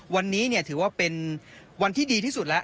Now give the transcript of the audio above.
วันนี้ถือว่าเป็นวันที่ดีที่สุดแล้ว